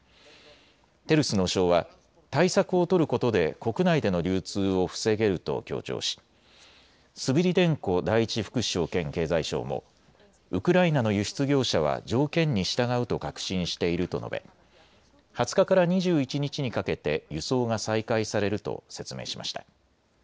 テルス農相は対策を取ることで国内での流通を防げると強調しスビリデンコ第１副首相兼経済相もウクライナの輸出業者は条件に従うと確信していると述べ、２０日から２１日にかけて輸送が再開されると説明しました。